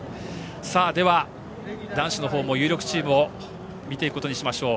では、男子のほうも有力チームを見ていきましょう。